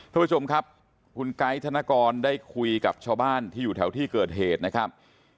ทุกผู้ชมครับคุณไกด์ธนกรได้คุยกับชาวบ้านที่อยู่แถวที่เกิดเหตุนะครับ